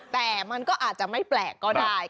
แต่มันก็อาจจะไม่แปลกก็ได้